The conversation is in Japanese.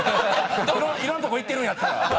いろんなとこ行ってるんやったら。